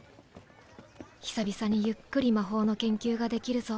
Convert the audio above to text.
久々にゆっくり魔法の研究ができるぞ。